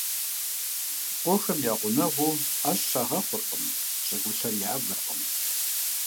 Къуэхэм я гъунэгъуу Ӏэщ щагъэхъуркъым, щӀыгулъыр явэркъым.